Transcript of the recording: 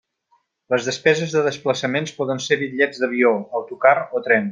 Les despeses de desplaçaments poden ser bitllets d'avió, autocar o tren.